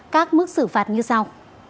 các mức xử phạt như sau